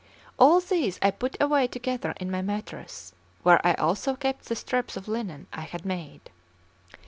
All these I put away together in my mattress, where I also kept the strips of linen I had made.